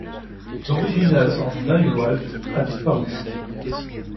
L'original en nahuatl a disparu.